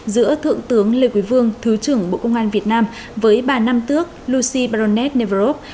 giữa thượng tướng lê quý vương thứ trưởng bộ công an việt nam với bà nam tước lucy baronet neveroff